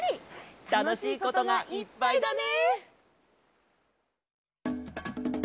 たのしいことがいっぱいだね！